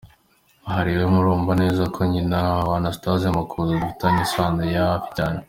Aha rero murumva neza ko nyina wa Anastase Makuza dufitanye isano yafi cyane.